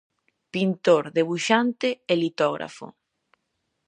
Pintor, debuxante e litógrafo.